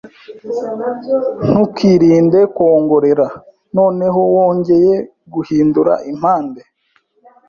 ntukirinde kwongorera, “Noneho wongeye guhindura impande.”